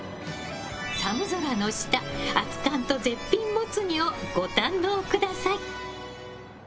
寒空の下、熱燗と絶品モツ煮をご堪能ください。